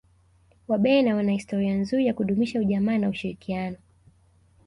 wabena wana historia nzuri ya kudumisha ujamaa na ushirikiano